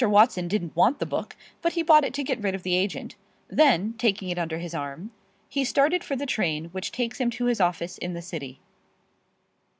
Watson didn't want the book, but he bought it to get rid of the agent; then, taking it under his arm, he started for the train which takes him to his office in the city.